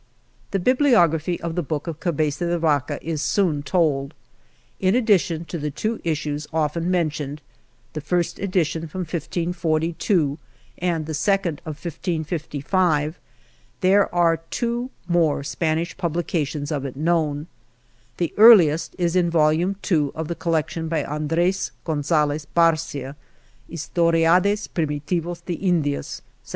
INTRODUCTION The bibliography of the book of Cabeza de Vaca is soon told. In addition to the two issues often mentioned the Editio Princeps from 1542, and the second of 1555 there are two more Spanish publications of it known. The earliest is in Volume II of the Collection by Andres Gonzales Barcia, Hts toriades primitivos de Indias, 1749.